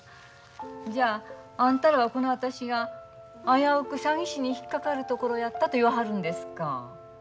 じゃああんたらはこの私が危うく詐欺師に引っ掛かるところやったと言わはるんですか。